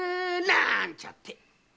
なーんちゃって！